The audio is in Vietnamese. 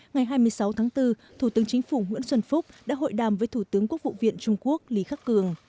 ngày hai mươi sáu tháng bốn thủ tướng chính phủ nguyễn xuân phúc đã hội đàm với thủ tướng quốc vụ viện trung quốc lý khắc cường